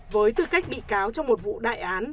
với tư cách bị cáo trong một vụ đại án